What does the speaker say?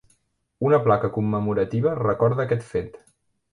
Una placa commemorativa recorda aquest fet.